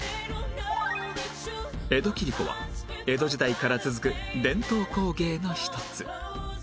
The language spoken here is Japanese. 江戸切子は江戸時代から続く伝統工芸の一つ